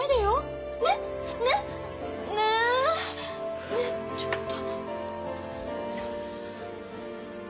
ねえちょっと。